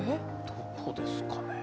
どこですかね。